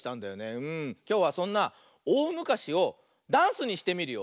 きょうはそんな「おおむかし」をダンスにしてみるよ。